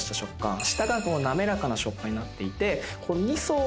下が滑らかな食感になっていて。